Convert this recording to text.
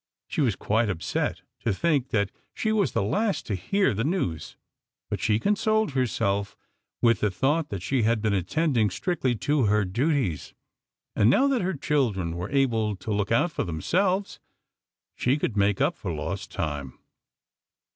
She was quite upset to think that she was the last to hear the news, but she consoled herself with the thought that she had been attending strictly to her duties, and now that her children were able to look out for themselves she could make up for lost time.